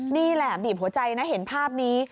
นี่แหละบีบหัวใจนะเห็นภาพนี้